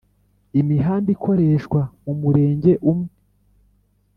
imihanda ikoreshwa mu Murenge umwe